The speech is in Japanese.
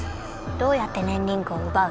どうやってねんリングをうばう？